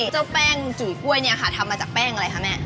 เจ้าแป้งจุ๋ยกล้วยเนี่ยค่ะทำมาจากแป้งอะไรคะแม่